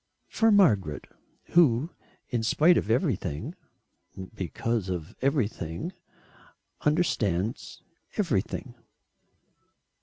"For Margaret who in spite of everything, because of everything understands everything."